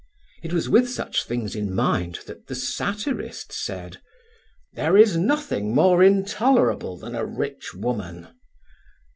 It was with such things in mind that the satirist said: "There is nothing more intolerable than a rich woman."